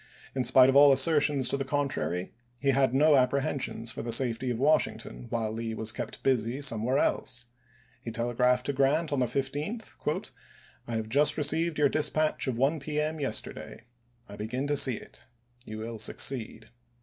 In spite of all assertions to the con trary, he had no apprehensions for the safety of Washington while Lee was kept busy somewhere else. He telegraphed to Grant on the 15th, " I have June, lse*. just received your dispatch of 1 p. m. yesterday. I begin to see it. You will succeed.